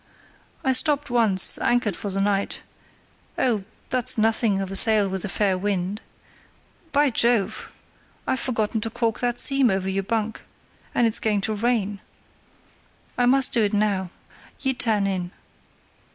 "I stopped once, anchored for the night; oh, that's nothing of a sail with a fair wind. By Jove! I've forgotten to caulk that seam over your bunk, and it's going to rain. I must do it now. You turn in."